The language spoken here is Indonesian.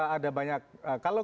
ada banyak kalau